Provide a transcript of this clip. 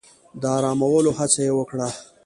د آرامولو هڅه يې وکړه.